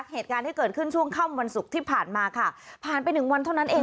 เหตุการณ์ที่เกิดขึ้นช่วงค่ำวันศุกร์ที่ผ่านมาค่ะผ่านไปหนึ่งวันเท่านั้นเอง